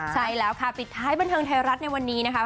ใช่แล้วค่ะปิดท้ายบันเทิงไทยรัฐในวันนี้นะคะ